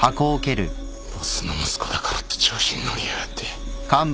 ボスの息子だからって調子に乗りやがって。